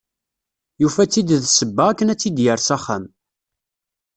Yufa-as-tt-id d ssebba akken ad tt-id-yerr s axxam.